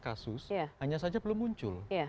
kasus hanya saja belum muncul